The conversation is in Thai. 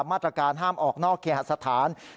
มาตรการห้ามออกนอกเคหสถาน